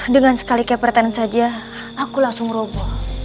dengan sekali keperten saja aku langsung robo